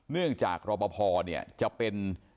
เนื่องจากรอปภเนี่ยจะเป็น